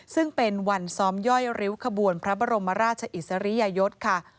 ซึ่งเป็นวันซ้อมย่อยริ้วขบวนพระบรมราชอิสริยยศค่ะ